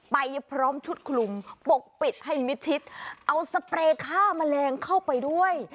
ไปพร้อมชุดคลุมปกปิดให้มิดชิดเอาสเปรย์ฆ่าแมลงเข้าไปด้วย